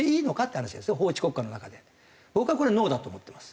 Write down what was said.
僕はこれノーだと思ってます。